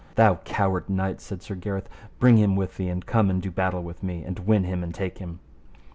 Thou coward knight, said Sir Gareth, bring him with thee, and come and do battle with me, and win him and take him.